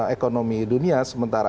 ekonomi dunia sementara